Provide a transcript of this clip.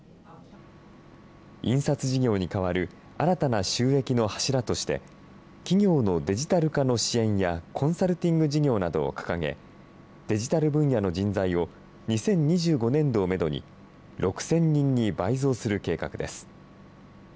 印刷事業に代わる新たな収益の柱として、企業のデジタル化の支援やコンサルティング事業などを掲げ、デジタル分野の人材を２０２５年度をメドに、６０００人に倍増する計画です。